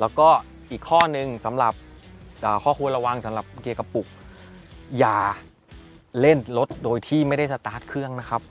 แล้วก็อีกข้อนึงสำหรับข้อควรระวังสำหรับเกียร์กระปุกอย่าเล่นรถโดยที่ไม่ได้สตาร์ทเครื่องนะครับ